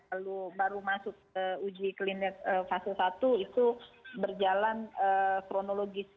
lalu baru masuk ke uji klinik fase satu itu berjalan kronologis